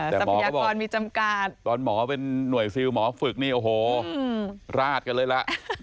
ทรัพยากรมีจำการตอนหมอเป็นหน่วยซิลหมอฝึกนี่โอ้โหราดกันเลยล่ะ